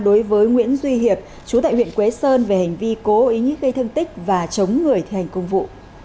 đối với nguyễn duy hiệp chú tại huyện quế sơn về hành vi cố ý gây thương tích và chống người thi hành công vụ